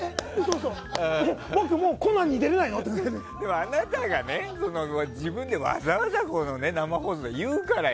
あなたが、自分でわざわざ生放送で言うからよ。